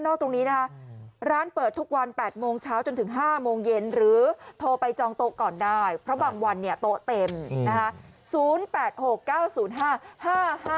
ตรงนี้นะคะร้านเปิดทุกวัน๘โมงเช้าจนถึง๕โมงเย็นหรือโทรไปจองโต๊ะก่อนได้เพราะบางวันเนี่ยโต๊ะเต็มนะคะ